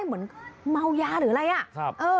เหมือนเมายาหรืออะไรอ่ะ